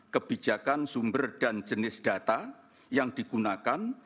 kebijakan sumber dan jenis data yang digunakan